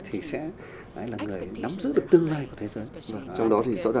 thì sẽ là người nắm giữ được tương lai của thế giới